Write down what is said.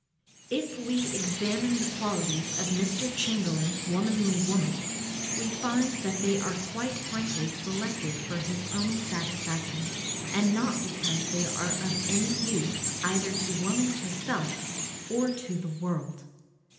If we examine the qualities of Mr. Chamberlain's womanly woman, we find that they are quite frankly selected for his own satisfaction, and not because they are of any use either to woman herself or to the world.